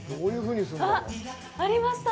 あっ、ありました。